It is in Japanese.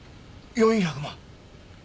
４００万？